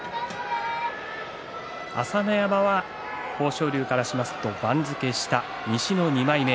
朝乃山は豊昇龍からしますと番付下西の２枚目。